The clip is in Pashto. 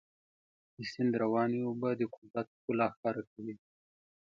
د سیند روانې اوبه د قدرت ښکلا ښکاره کوي.